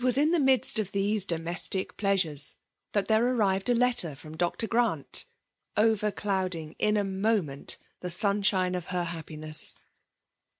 123 It WM in the midst of these domestic pka* sores* that there tfrrired a letter from Dr« Grant, OTerclduding^ in a moment the sunalmie of her happiness.